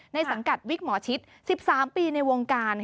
สังกัดวิกหมอชิต๑๓ปีในวงการ